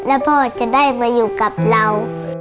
แล้วพ่อจะได้มาอยู่กับเรา